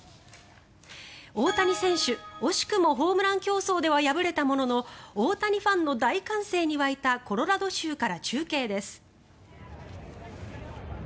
大谷選手、惜しくもホームラン競争では敗れたものの大谷ファンの大歓声に沸いたコロラド州から中継です。